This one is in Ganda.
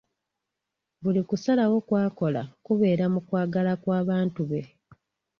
Buli kusalawo kw'akola kubeera mu kwagala kw'abantu be.